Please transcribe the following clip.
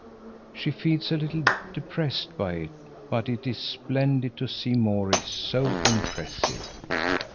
She feels a little depressed by it, but it is splendid to see Maurits so impressive.